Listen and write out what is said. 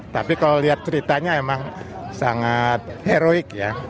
tapi kalau lihat ceritanya memang sangat heroik ya